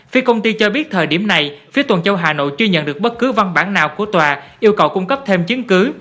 phía công ty cho biết thời điểm này phía tuần châu hà nội chưa nhận được bất cứ văn bản nào của tòa yêu cầu cung cấp thêm chứng cứ